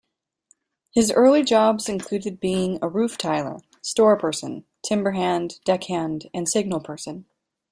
His early jobs included being a roof tiler, storeperson, timberhand, deckhand, and signalperson.